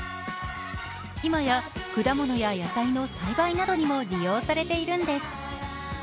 今や果物や野菜の栽培などにも利用されているんです。